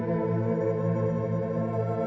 tidak ada yang bisa dikira